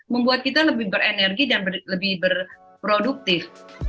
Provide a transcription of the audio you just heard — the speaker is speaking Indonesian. membuat kita lebih berenergi dan lebih berproduktif